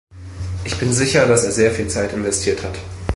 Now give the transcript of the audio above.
Ich bin sicher, dass er sehr viel Zeit investiert hat.